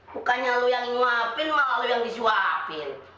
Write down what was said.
bukannya lu yang nguapin malah lu yang disuapin